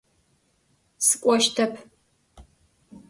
Сыкӏощтэп.